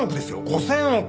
５０００億！